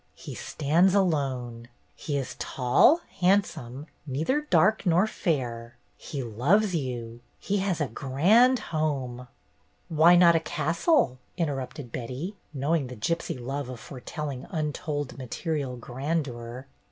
He stands alone. He is tall, handsome, neither dark nor fair. He loves you. He has a grand home — "Why not a castle?'' interrupted Betty, knowing the gypsy love of foretelling untold material grandeur.